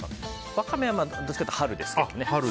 ワカメはどちらかというと春ですかね。